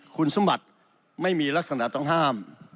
คุณสมบัติไม่มีลักษณะต้องห้าม